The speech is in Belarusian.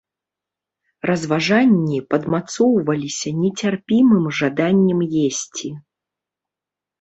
Разважанні падмацоўваліся нецярпімым жаданнем есці.